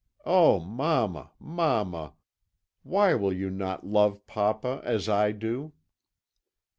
Oh, mamma, mamma! why will you not love papa as I do?'